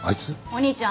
お兄ちゃん。